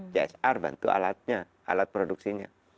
csr bantu alatnya alat produksinya